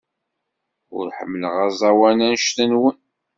Ur ḥemmleɣ aẓawan anect-nwen.